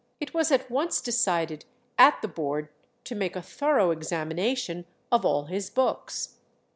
It was at once decided at the board to make a thorough examination of all his books.